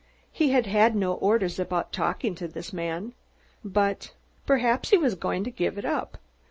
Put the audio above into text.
He had had no orders about talking to this man, but Perhaps he was going to give it up!